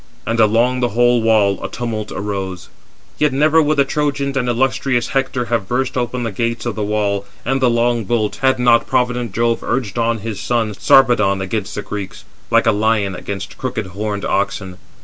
And along the whole wall a tumult arose. Yet never would the Trojans and illustrious Hector have burst open the gates of the wall, and the long bolt, had not provident Jove urged on his son, Sarpedon, against the Greeks, like a lion against crooked horned oxen.